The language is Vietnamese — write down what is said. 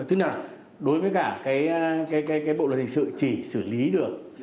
tức là đối với cả cái bộ luật hình sự chỉ xử lý được